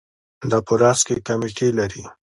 دا په راس کې کمیټې لري.